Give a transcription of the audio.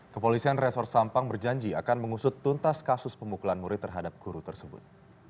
kepolisian resor sampang berjanji akan mengusut tuntas kasus pemukulan murid terhadap guru tersebut